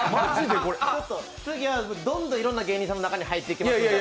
次はどんどんいろんな芸人さんも中に入ってきますので。